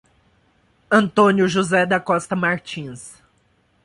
Antônio José da Costa Martins